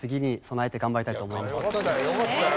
よかったよよかったよ。